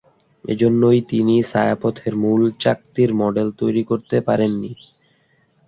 এজন্যই তিনি ছায়াপথের মূল চাকতির মডেল তৈরি করতে পারেননি।